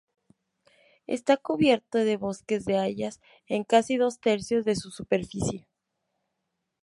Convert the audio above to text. Está cubierto de bosques de hayas en casi dos tercios de su superficie.